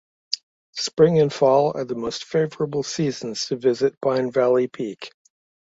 Spring and fall are the most favorable seasons to visit Pine Valley Peak.